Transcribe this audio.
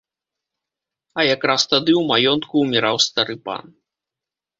А якраз тады ў маёнтку ўміраў стары пан.